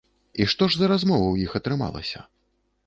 І што ж за размова ў іх атрымалася?